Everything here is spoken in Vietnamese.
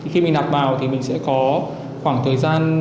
khi mình nạp vào thì mình sẽ có khoảng thời gian